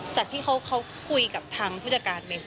จากที่เขาคุยกับทางผู้จัดการเลย